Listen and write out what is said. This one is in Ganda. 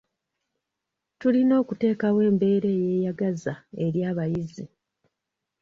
Tulina okuteekawo embeera eyeyagaza eri abayizi.